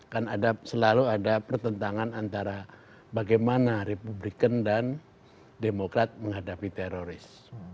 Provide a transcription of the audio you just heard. kan selalu ada pertentangan antara bagaimana republikan dan demokrat menghadapi teroris